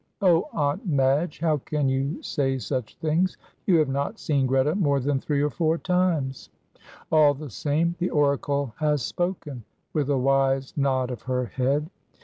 "Oh, Aunt Madge, how can you say such things? You have not seen Greta more than three or four times." "All the same, the oracle has spoken," with a wise nod of her head.